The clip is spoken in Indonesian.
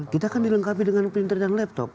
kita akan dilengkapi dengan printer dan laptop